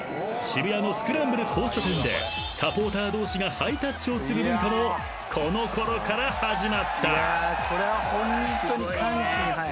渋谷のスクランブル交差点でサポーター同士がハイタッチをする文化もこのころから始まった］